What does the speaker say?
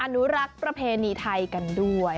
อนุรักษ์ประเพณีไทยกันด้วย